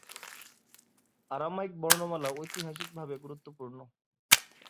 Aramaic বর্ণমালা ঐতিহাসিকভাবে গুরুত্বপূর্ণ।